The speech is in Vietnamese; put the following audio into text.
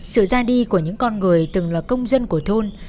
sự ra đi của những con người từng là công dân của thôn